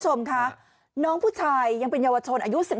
คุณผู้ชมค่ะน้องผู้ชายยังเป็นเยาวชนอายุ๑๖ปีเท่านั้นค่ะ